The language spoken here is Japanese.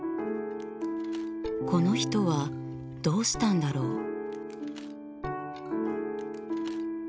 この人はどうしたんだろう？